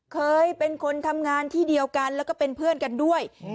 เคยเป็นคนทำงานที่เดียวกันแล้วก็เป็นเพื่อนกันด้วย